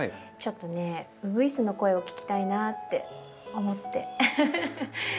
ちょっとねうぐいすの声を聞きたいなって思って。